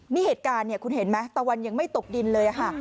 นี่เหตุการณ์เนี่ยคุณเห็นไหมตะวันยังไม่ตกดินเลยค่ะ